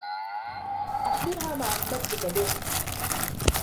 أخبرها ما أخبرتكَ به.